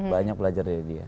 banyak belajar dari dia